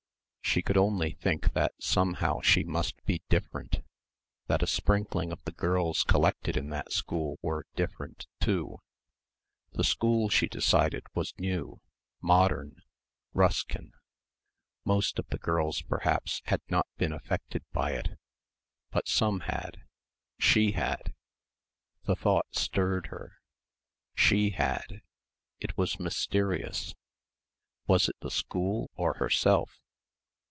She could only think that somehow she must be "different"; that a sprinkling of the girls collected in that school were different, too. The school she decided was new modern Ruskin. Most of the girls perhaps had not been affected by it. But some had. She had. The thought stirred her. She had. It was mysterious. Was it the school or herself?